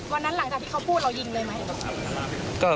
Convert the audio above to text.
หลังจากที่เขาพูดเรายิงเลยไหม